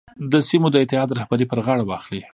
د سیمو د اتحاد رهبري پر غاړه واخلي.